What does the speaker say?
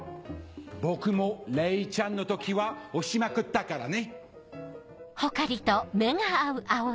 僕もレイちゃんの時は押しまくったからね！